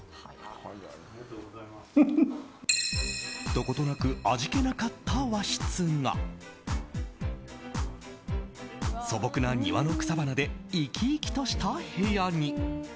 どことなく味気なかった和室が素朴な庭の草花で生き生きとした部屋に。